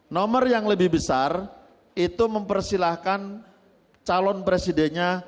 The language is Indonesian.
nomor yang lebih besar itu mempersilahkan calon presidennya